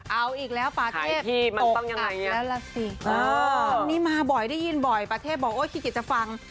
เอาอีกแล้วปาเทพตกหนักแล้วล่ะสิอันนี้มาบ่อยได้ยินบ่อยปาเทพบอกโอ้ขี้เกียจจะฟัง